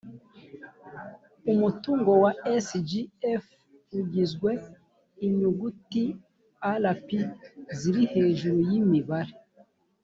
umutungo wa sgf ugizweinyuguti lp ziri hejuru y imibare